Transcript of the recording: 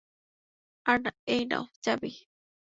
আর এই নাও চাবি।